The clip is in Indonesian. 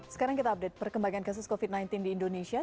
sekarang kita update perkembangan kasus covid sembilan belas di indonesia